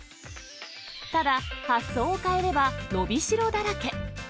ただ、発想を変えれば、伸びしろだらけ。